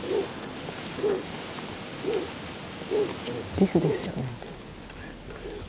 リスですよね。